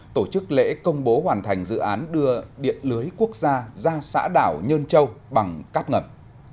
tổ chức lễ công bố hoàn thành dự án đưa điện lưới quốc gia ra xã đảo nhơn châu bằng cát ngập